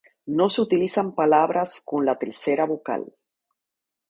No se utilizan palabras con la tercera vocal.